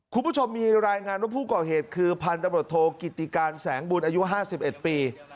คุณผู้ชมมีรายงานว่าผู้ก่อเหตุคือพันธบรวจโทกิติการแสงบุญอายุ๕๑ปี